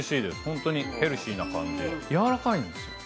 ホントにヘルシーな感じやわらかいんですよ